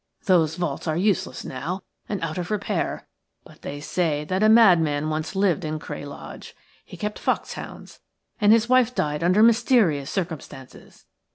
Those vaults are useless now and out of repair, but they say that a madman once lived in Cray Lodge. He kept foxhounds, and his wife died under mysterious circumstances.